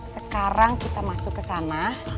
sekarang kita masuk kesana